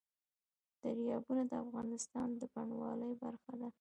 دریابونه د افغانستان د بڼوالۍ برخه ده.